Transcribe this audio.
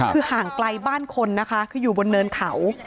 คือห่างไกลบ้านคนนะคะคืออยู่บนเนินเขา